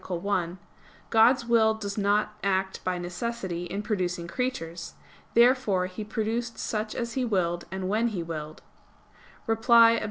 1), God's will does not act by necessity in producing creatures. Therefore He produced such as He willed, and when He willed. Reply Obj.